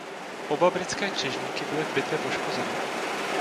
Oba britské křižníky byly v bitvě poškozeny.